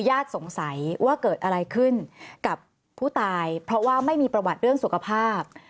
สงสัยว่าเกิดอะไรขึ้นกับผู้ตายเพราะว่าไม่มีประวัติเรื่องสุขภาพ